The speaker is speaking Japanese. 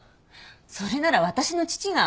それなら私の父が。